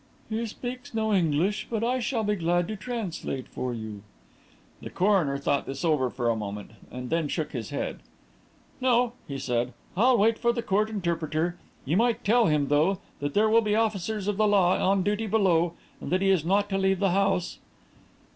"He speaks no English, but I shall be glad to translate for you." The coroner thought this over for a moment, and then shook his head. "No," he said; "I'll wait for the court interpreter. You might tell him, though, that there will be officers of the law on duty below, and that he is not to leave the house."